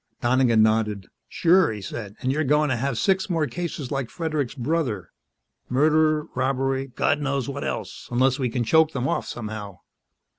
Donegan nodded. "Sure," he said. "And we're going to have six more cases like Fredericks' brother murder, robbery, God knows what else unless we can choke them off somehow."